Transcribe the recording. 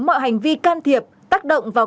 mọi hành vi can thiệp tác động vào